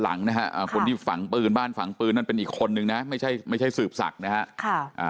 บ้านหลังที่ฝังปืนบ้านฝังปืนนั่นเป็นอีกคนนึงนะไม่ใช่สืบสักนะครับ